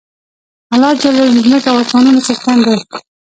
الله ج د ځمکی او اسمانونو څښتن دی